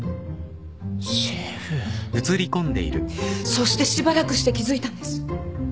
そしてしばらくして気付いたんです。